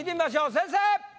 先生！